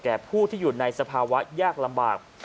ผู้ที่อยู่ในสภาวะยากลำบาก